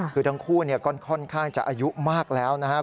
คือทั้งคู่ก็ค่อนข้างจะอายุมากแล้วนะครับ